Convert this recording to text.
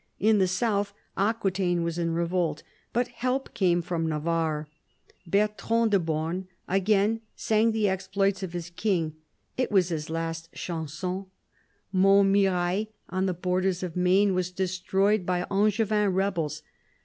In the south, Aquitaine was in revolt, but help came from Navarre. Bertrand de Born again sang the exploits of his king. It was his last chanson. Montmirail, on the borders of Maine, was destroyed by Angevin rebels.